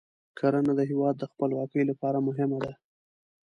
کرنه د هیواد د خپلواکۍ لپاره مهمه ده.